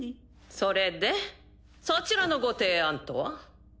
それでそちらのご提案とは？